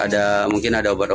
ada mungkin ada obat obatan